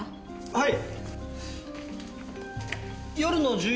はい。